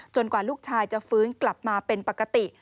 กว่าลูกชายจะฟื้นกลับมาเป็นปกติ